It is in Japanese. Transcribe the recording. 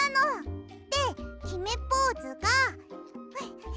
できめポーズが。